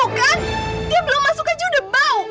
tuh kan dia belum masuk aja udah bau